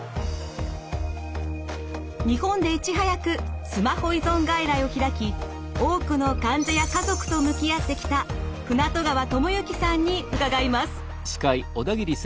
日本でいち早くスマホ依存外来を開き多くの患者や家族と向き合ってきた船渡川智之さんに伺います。